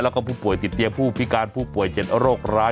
แล้วก็ผู้ป่วยติดเตียงผู้พิการผู้ป่วย๗โรคร้าย